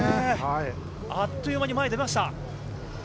あっという間に前に出ました。